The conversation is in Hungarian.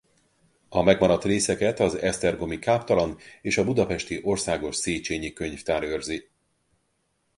A megmaradt részeket az esztergomi káptalan és a budapesti Országos Széchényi Könyvtár őrzi.